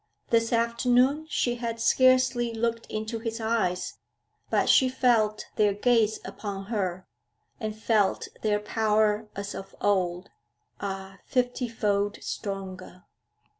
This afternoon she had scarcely looked into his eyes, but she felt their gaze upon her, and felt their power as of old ah, fifty fold stronger!